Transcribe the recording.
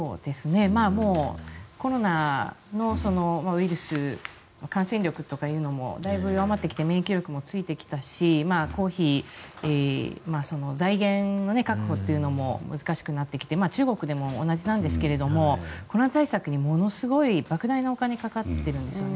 コロナのウイルス感染力というものもだいぶ弱まってきて免疫力もついてきたし公費、財源の確保というのも難しくなってきて中国でも同じなんですがコロナ対策にものすごいばく大なお金がかかっているんですよね。